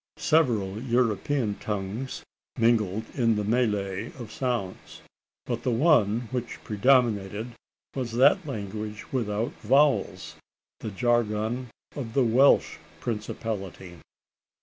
Several European tongues mingled in the melee of sounds; but the one which predominated was that language without vowels the jargon of the Welsh Principality.